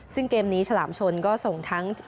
ซึ่งเกมนี้ฉลามชนก็ส่งทั้ง